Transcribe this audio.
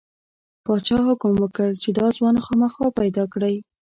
پادشاه حکم وکړ چې دا ځوان خامخا پیدا کړئ.